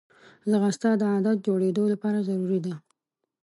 ځغاسته د عادت جوړېدو لپاره ضروري ده